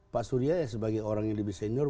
pak surya sebagai orang yang lebih senior